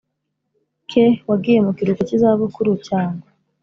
Ke wagiye mu kiruhuko cy izabukuru cyangwa